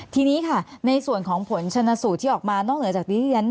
ทีนี้ค่ะในส่วนของผลชนสูตรที่ออกมานอกเหนือจากที่ฉัน